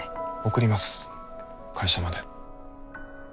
送ります会社まで。